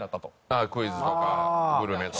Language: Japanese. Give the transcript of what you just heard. ああクイズとかグルメとか。